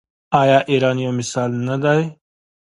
آیا ایران یو مثال نه دی؟